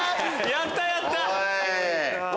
やったやった！